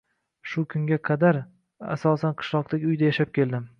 Shu kunga qadar asosan qishloqdagi uyda yashab keldim